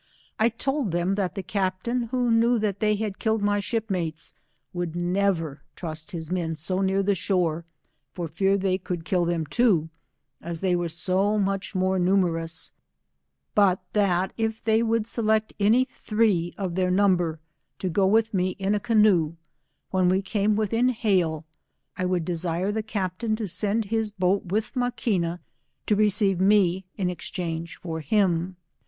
I told them that the captain, who knew that they had killed my shipmates, would never trust his men go near the shore for fear they could kill them loo, as they were so much more numerous, hut that if they would select any three of their num ber to go with me iu a. canoe, when we came with in hail, I would desire the captain to send his boat with Maquina, to receive me in exchange for him.